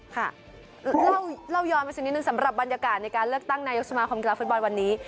ค่ะเราย้อนไปสักนิดนึงสำหรับบรรยากาศในการเลือกตั้งนายกสมาคมกีฬาฟุตบอลวันนี้